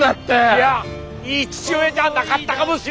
いやいい父親じゃなかったかもしれん！